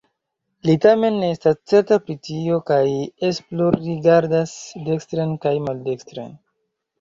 Li tamen ne estas certa pri tio kaj esplorrigardas dekstren kaj maldekstren.